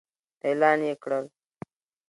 اعلان يې کړل.